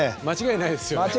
間違いないです。